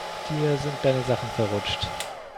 Dir sind deine Sachen verrutscht.